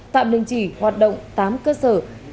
tạm đừng chỉ hoạt động tám cơ sở